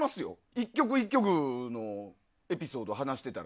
１曲１曲のエピソード話してたら。